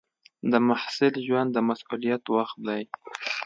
د محصل ژوند د مسؤلیت وخت دی.